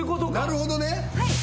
なるほどね。